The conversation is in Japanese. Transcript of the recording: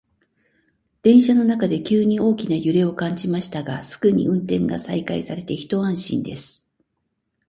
電車の中で急に大きな揺れを感じましたが、すぐに運転が再開されて一安心です。